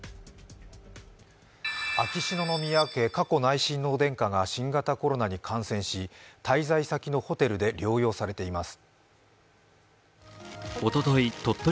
秋篠宮家、佳子内親王殿下が新型コロナに感染し滞在先のホテルで療養されています。